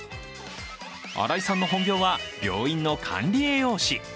新井さんの本業は病院の管理栄養士。